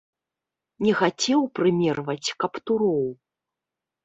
Не хацеў прымерваць каптуроў.